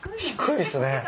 低いですね。